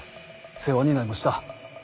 世話にないもした。